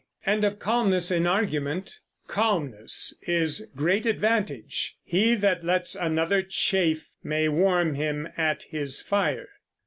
and of calmness in argument: Calmness is great advantage: he that lets Another chafe may warm him at his fire.